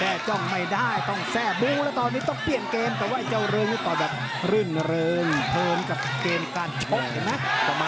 เอาล่ะครับต่อเกม